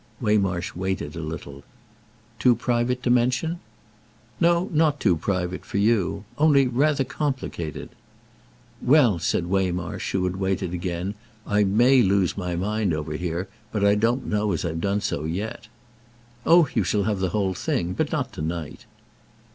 Waymarsh waited a little. "Too private to mention?" "No, not too private—for you. Only rather complicated." "Well," said Waymarsh, who had waited again, "I may lose my mind over here, but I don't know as I've done so yet." "Oh you shall have the whole thing. But not tonight."